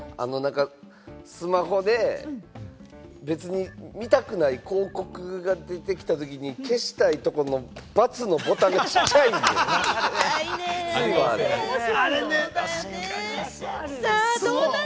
スマホで別に見たくない広告が出てきたときに消したいとこの「×」のボタンがちっちゃいねん！